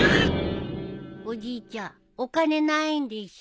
おじいちゃんお金ないんでしょ？